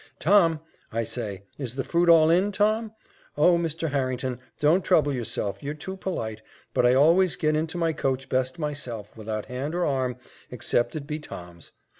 Tom! I say! is the fruit all in, Tom? Oh! Mr. Harrington, don't trouble yourself you're too polite, but I always get into my coach best myself, without hand or arm, except it be Tom's.